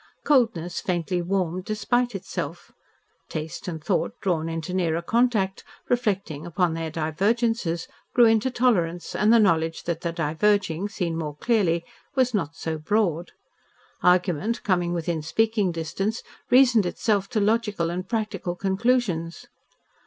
Coldness faintly warmed despite itself, taste and thought drawn into nearer contact, reflecting upon their divergences, grew into tolerance and the knowledge that the diverging, seen more clearly, was not so broad; argument coming within speaking distance reasoned itself to logical and practical conclusions.